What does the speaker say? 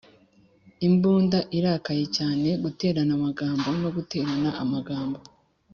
imbunda irakaye cyane guterana amagambo no guterana amagambo,